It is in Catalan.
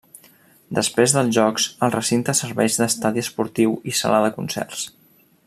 Després dels Jocs, el recinte serveix d'estadi esportiu i sala de concerts.